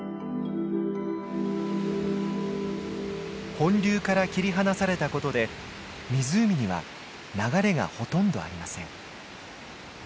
本流から切り離されたことで湖には流れがほとんどありません。